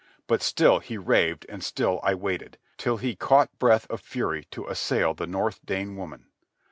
But still he raved and still I waited, till he caught breath of fury to assail the North Dane woman.